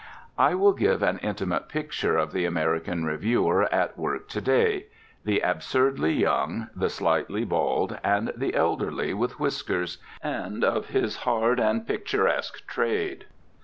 I will give an intimate picture of the American reviewer at work to day: the absurdly young, the slightly bald, and the elderly with whiskers; and of his hard and picturesque trade.